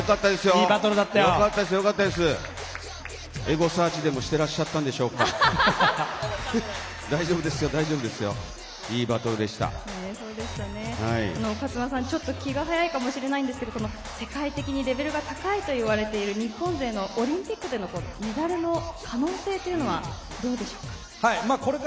ＫＡＴＳＵＯＮＥさん気が早いかもしれませんが世界的にレベルが高いといわれている、日本勢のオリンピックでのメダルの可能性は、どうでしょうか？